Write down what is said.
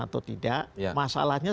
atau tidak masalahnya